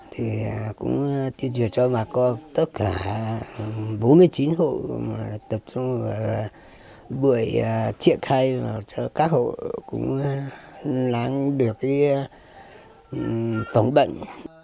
thì cũng tuyên truyền cho bà con tất cả bốn mươi chín hộ tập trung vào buổi triện khai cho các hộ cũng làm được phòng bệnh